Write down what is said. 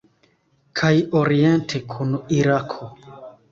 Kaj oriente kun Irako.